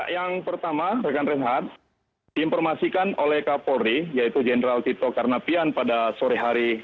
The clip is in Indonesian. yang pertama rekan reinhardt diinformasikan oleh kapolri yaitu jenderal tito karnavian pada sore hari